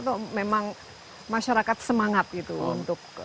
atau memang masyarakat semangat gitu untuk